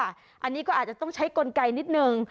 อันนี้ก็อาจจะต้องใช้กลไกนิดนึง